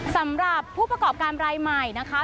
สำหรับผู้ประกอบการรายใหม่นะคะ